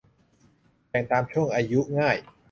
แบ่งตามช่วงอายุง่าย